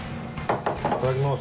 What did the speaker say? いただきます。